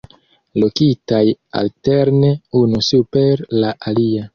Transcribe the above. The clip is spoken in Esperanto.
Lokitaj alterne unu super la alia.